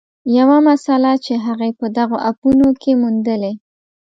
یوه مسله چې هغې په دغو اپونو کې موندلې